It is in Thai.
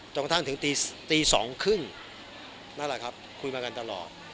กระทั่งถึงตี๒๓๐นั่นแหละครับคุยมากันตลอด